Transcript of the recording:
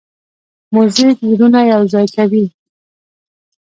موزیک زړونه یوځای کوي.